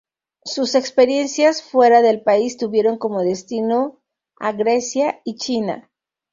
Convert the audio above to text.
Sus experiencias fuera del país tuvieron como destino a Grecia y China.